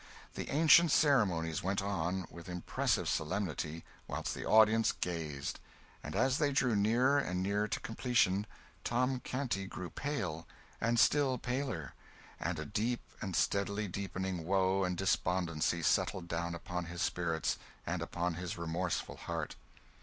The ancient ceremonies went on, with impressive solemnity, whilst the audience gazed; and as they drew nearer and nearer to completion, Tom Canty grew pale, and still paler, and a deep and steadily deepening woe and despondency settled down upon his spirits and upon his remorseful heart.